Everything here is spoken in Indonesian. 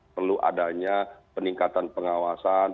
perlu adanya peningkatan pengawasan